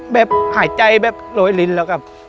แบบหายใจแบบโรยลิ้นแล้วครับ